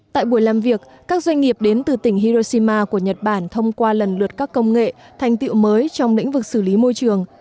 tại buổi làm việc các doanh nghiệp đến từ tỉnh hiroshima của nhật bản thông qua lần lượt các công nghệ thành tiệu mới trong lĩnh vực doanh nghiệp